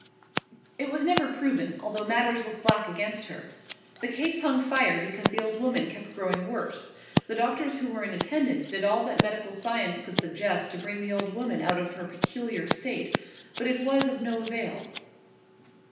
"It was never proven, although matters looked black against her. The case hung fire because the old woman kept growing worse. The doctors who were in attendance did all that medical science could suggest to bring the old woman out of her peculiar state. But it was of no avail."